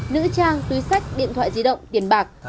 nữ trang túi sách điện thoại di động tiền bạc